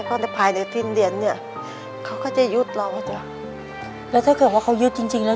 เขาจะภายในที่เงียนเนี้ยเขาก็จะยุดเราจ้ะแล้วถ้าเกิดว่าเขายืดจริงจริงแล้ว